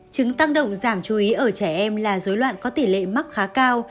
chứng tăng động giảm chú ý ở trẻ em là dối loạn có tỷ lệ mắc khá cao